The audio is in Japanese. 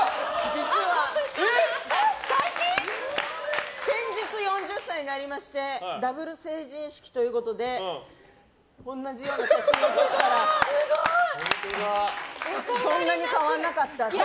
実は先日４０歳になりましてダブル成人式ということで同じような写真を撮ったらそんなに変わらなかった。